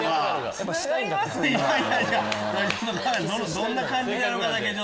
どんな感じなのかだけ。